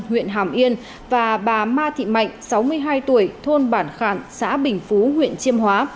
huyện hàm yên và bà ma thị mạnh sáu mươi hai tuổi thôn bản khả xã bình phú huyện chiêm hóa